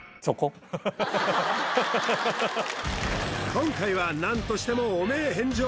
今回は何としても汚名返上